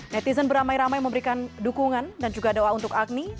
netizen beramai ramai memberikan dukungan dan juga doa untuk agni